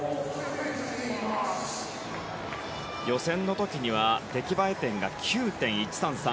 予選の時には出来栄え点が９．１３３。